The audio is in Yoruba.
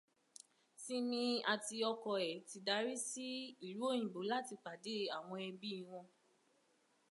Simi àti ọkọ ẹ̀ ti darí sí ìlú òyìnbó láti pàdé àwọn ẹbí wọn